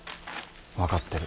分かってる。